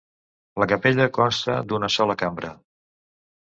La capella consta d'una sola cambra.